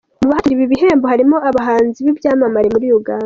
Mu bahatanira ibi bihembo harimo abahanzi b'ibyamamare muri Uganda.